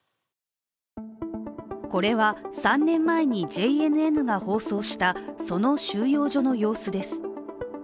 これは３年前にＪＮＮが放送したその収容所の様子です。